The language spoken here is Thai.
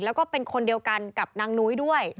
แล้วก็เป็นคนเดียวกันกับนางนุ้ยด้วย